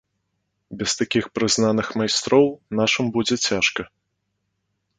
Без такіх прызнаных майстроў нашым будзе цяжка.